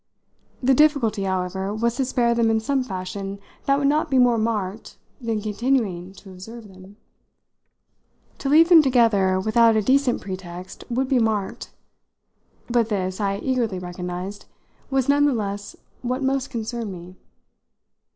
The difficulty, however, was to spare them in some fashion that would not be more marked than continuing to observe them. To leave them together without a decent pretext would be marked; but this, I eagerly recognised, was none the less what most concerned me.